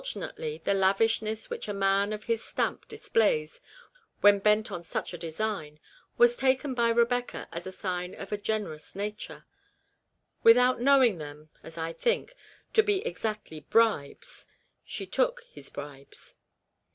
229 innately the lavishness which a man of his stamp displays, when bent on such a design, was taken by Eebecca as a sign of a generous nature ; without knowing them (as I think) to be exactly bribes, she took his bribes.